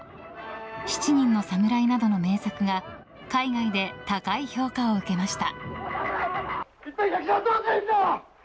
「七人の侍」などの名作が海外で高い評価を受けました。